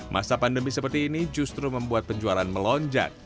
masa pandemi seperti ini justru membuat penjualan melonjak